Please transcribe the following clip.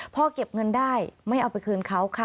พอเก็บเงินได้ไม่เอาไปคืนเขาค่ะ